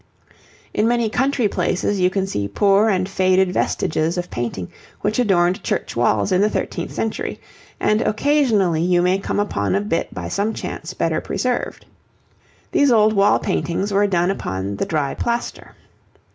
In many country places you can see poor and faded vestiges of painting which adorned church walls in the thirteenth century, and occasionally you may come upon a bit by some chance better preserved. These old wall paintings were done upon the dry plaster.